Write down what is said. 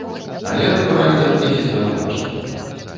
Але, натуральна, не сістэматычна.